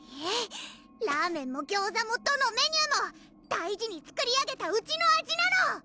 ラーメンもギョーザもどのメニューも大事に作り上げたうちの味なの！